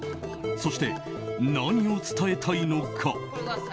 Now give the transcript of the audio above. そして、何を伝えたいのか。